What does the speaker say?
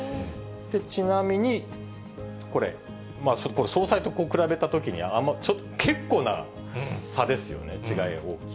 ちなみにこれ、総裁と比べたときにちょっと、結構な差ですよね、違い大きい。